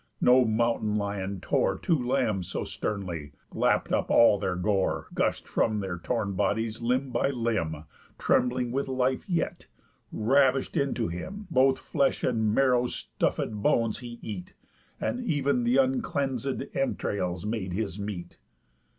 No mountain lion tore Two lambs so sternly, lapp'd up all their gore Gush'd from their torn up bodies, limb by limb (Trembling with life yet) ravish'd into him. Both flesh and marrow stufféd bones he eat, And ev'n th' uncleanséd entrails made his meat.